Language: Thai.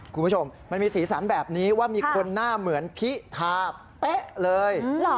คุณผู้ชมมันมีสีสันแบบนี้ว่ามีคนหน้าเหมือนพิธาเป๊ะเลย